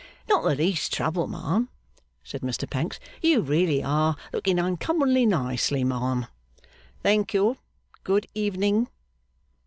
'Not the least trouble, ma'am,' said Mr Pancks. 'You really are looking uncommonly nicely, ma'am.' 'Thank you. Good evening.